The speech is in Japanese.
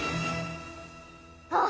あっ！